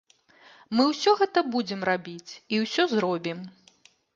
Мы ўсё гэта будзем рабіць і ўсё зробім!